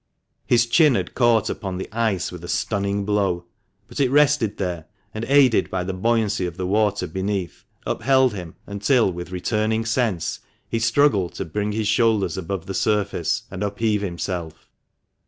His chin had caught upon the ice with a stunning blow ; but it rested there, and, aided by the buoyancy of the water beneath, upheld him until, with returning sense, he struggled to bring his shoulders above the surface, and upheave himself.